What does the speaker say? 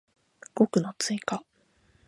語句の追加